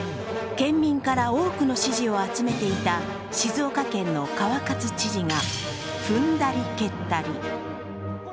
県民から多くの支持を集めていた静岡県の川勝知事が踏んだり蹴ったり。